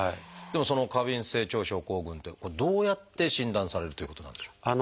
でもその過敏性腸症候群ってどうやって診断されるっていうことなんでしょう？